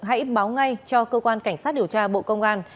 hãy báo ngay cho cơ quan cảnh sát điều tra bộ công an